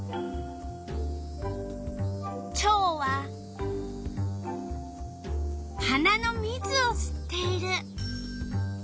チョウは花のみつをすっている。